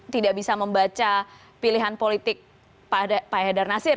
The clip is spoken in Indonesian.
tidak bisa membaca pilihan politik pak haidar nasir